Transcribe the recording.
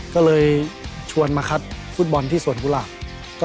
ก็เลยชวนมาคัดฟุตบอลที่สวรภูหรกษ์